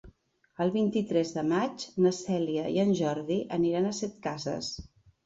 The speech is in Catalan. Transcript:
El vint-i-tres de maig na Cèlia i en Jordi aniran a Setcases.